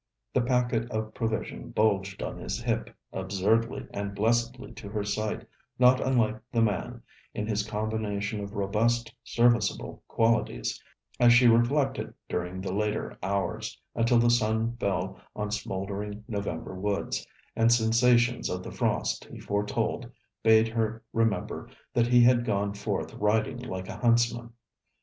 The packet of provision bulged on his hip, absurdly and blessedly to her sight, not unlike the man, in his combination of robust serviceable qualities, as she reflected during the later hours, until the sun fell on smouldering November woods, and sensations of the frost he foretold bade her remember that he had gone forth riding like a huntsman.